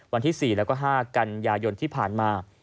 วันที่๔แล้วก็๕กันยายนที่ผ่านมา